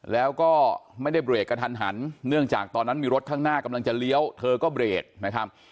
แล้วก็ไม่ได้เบรกกระทันหันเนื่องจากตอนนั้นมีรถข้างหน้ากำลังจะเลี้ยวเธอก็เบรกนะครับ